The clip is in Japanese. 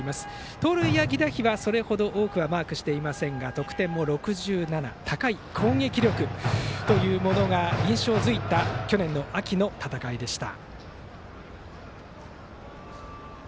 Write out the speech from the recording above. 盗塁や犠打飛はそれほど多くマークしていませんが得点も６７と高い攻撃力というものが印象づいた去年の秋の戦いでした。